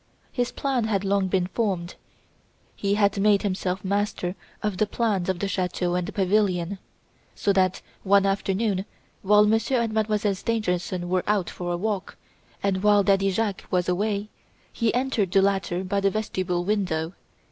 His plan had long been formed. He had made himself master of the plans of the chateau and the pavilion. So that, one afternoon, while Monsieur and Mademoiselle Stangerson were out for a walk, and while Daddy Jacques was away, he entered the latter by the vestibule window.